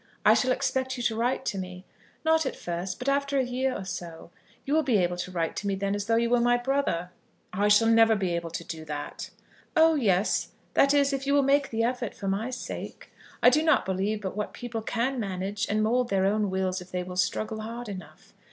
I shall expect you to write to me; not at first, but after a year or so. You will be able to write to me then as though you were my brother." "I shall never be able to do that." "Oh yes; that is, if you will make the effort for my sake. I do not believe but what people can manage and mould their own wills if they will struggle hard enough.